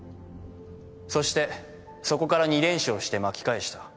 そしてそこから２連勝して巻き返した。